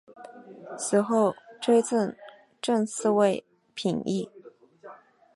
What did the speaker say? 死后追赠正四位品秩。